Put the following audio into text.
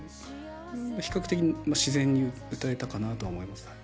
比較的自然に歌えたかなと思います。